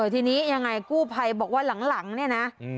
ทีนี้ยังไงกู้ภัยบอกว่าหลังเนี่ยนะ